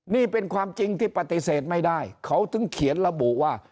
นี่เป็นความจริงที่ปฏิเสธไม่ได้เขาถึงเขียนระบุว่า